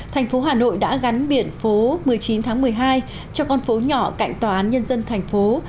thành phố hà nội đã gắn biển phố một mươi chín tháng một mươi hai cho con phố nhỏ cạnh tòa án nhân dân thành phố